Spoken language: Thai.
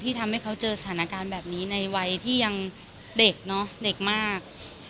ทำให้เขาเจอสถานการณ์แบบนี้ในวัยที่ยังเด็กเนอะเด็กมาก